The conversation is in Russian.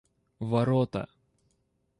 ворота